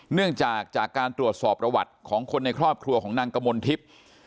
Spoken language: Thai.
เนื่องจากจากการตรวจสอบประวัติของคนในครอบครัวของนางกมลทิพย์